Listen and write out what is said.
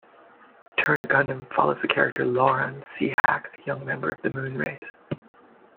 "Turn A Gundam" follows the character Loran Cehack, a young member of the Moonrace.